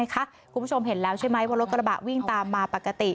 คุณผู้ชมเห็นแล้วใช่ไหมว่ารถกระบะวิ่งตามมาปกติ